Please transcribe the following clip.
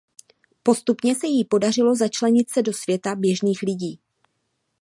Postupně se jí podařilo začlenit se do světa běžných lidí.